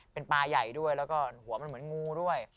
เป็นปลาใหญ่ด้วยแล้วก็หัวมันเหมือนงูด้วย